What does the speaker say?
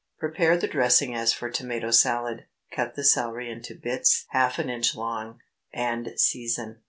Prepare the dressing as for tomato salad; cut the celery into bits half an inch long, and season.